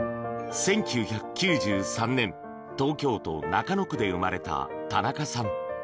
１９９３年、東京都中野区で生まれた田中さん。